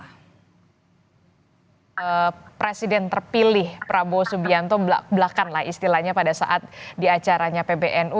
karena presiden terpilih prabowo subianto belakan lah istilahnya pada saat di acaranya pbnu